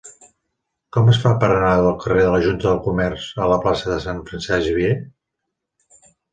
Com es fa per anar del carrer de la Junta de Comerç a la plaça de Sant Francesc Xavier?